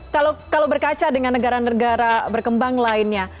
kalau berkaca dengan negara negara berkembang lainnya